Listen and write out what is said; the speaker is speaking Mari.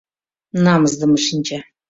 — Намысдыме шинча!